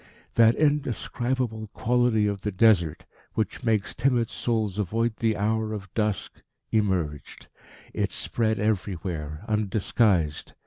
That indescribable quality of the Desert, which makes timid souls avoid the hour of dusk, emerged; it spread everywhere, undisguised.